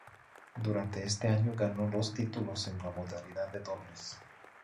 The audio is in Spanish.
Durante este año ganó dos títulos en la modalidad de dobles.